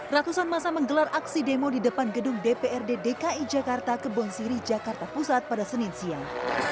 ratusan masa menggelar aksi demo di depan gedung dprd dki jakarta kebon siri jakarta pusat pada senin siang